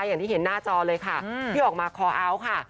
อย่างที่เห็นหน้าจอเลยค่ะที่ออกมาคอเอาท์ค่ะ